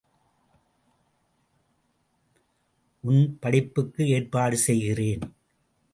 உன் படிப்புக்கும் ஏற்பாடு செய்கிறேன்.